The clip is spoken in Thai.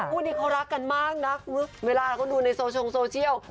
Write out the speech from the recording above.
คู่นี้เขารักกันมากนะเวลาเขาดูในโซเชียล